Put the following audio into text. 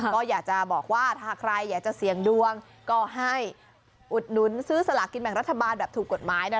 ก็อยากจะบอกว่าถ้าใครอยากจะเสี่ยงดวงก็ให้อุดหนุนซื้อสลากินแบ่งรัฐบาลแบบถูกกฎหมายนะ